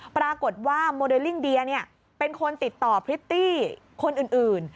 ปรากฏว่าโมเดลลิ่งเดียเป็นคนติดต่อพริตตี้คนอื่น